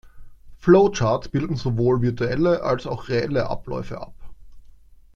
Flowcharts bilden sowohl virtuelle, als auch reelle Abläufe ab.